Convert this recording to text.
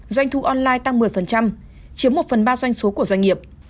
doanh thu online tăng một mươi chiếm một phần ba doanh số của doanh nghiệp